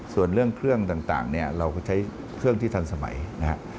ส่วนเรื่องเครื่องต่างเนี่ยเราก็ใช้เครื่องที่ทันสมัยนะครับ